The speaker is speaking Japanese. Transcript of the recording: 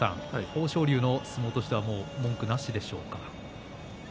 豊昇龍の相撲としては文句なしでしょうか。